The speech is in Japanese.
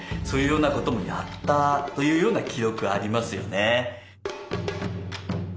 そういうようなこともやったというような記録ありますよね。